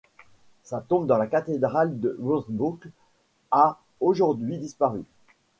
Sa tombe dans la cathédrale de Wurtzbourg a aujourd'hui disparu.